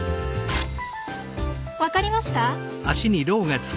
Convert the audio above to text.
分かりました？